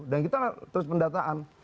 dan kita harus pendataan